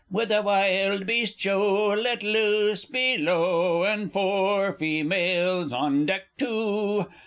With a Wild Beast Show Let loose below, And four fe males on deck too!